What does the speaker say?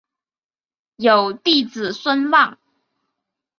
有弟子孙望。